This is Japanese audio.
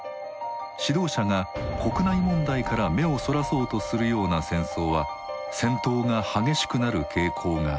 指導者が国内問題から目をそらそうとするような戦争は戦闘が激しくなる傾向がある。